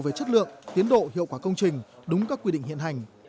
về chất lượng tiến độ hiệu quả công trình đúng các quy định hiện hành